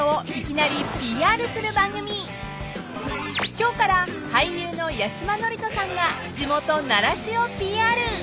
［今日から俳優の八嶋智人さんが地元奈良市をＰＲ］